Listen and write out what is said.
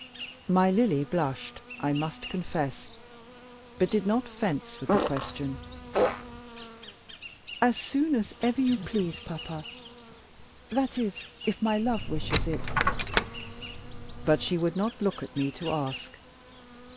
My Lily blushed, I must confess, but did not fence with the question. "As soon as ever you please, papa. That is, if my love wishes it." But she would not look at me to ask.